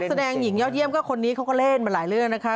แสดงหญิงยอดเยี่ยมก็คนนี้เขาก็เล่นมาหลายเรื่องนะคะ